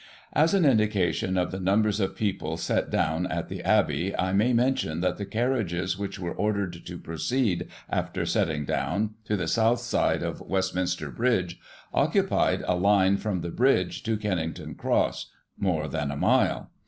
As an indication of the numbers of people set down at the Abbey, I may mention that the carriages which were ordered to proceed (after setting down) to the south side of West minster Bridge, occupied a line from the bridge to Kennington Cross (more than a mile).